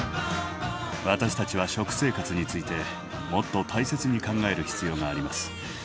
私たちは食生活についてもっと大切に考える必要があります。